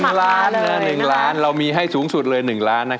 หนึ่งล้านนะหนึ่งล้านเรามีให้สูงสุดเลยหนึ่งล้านนะครับ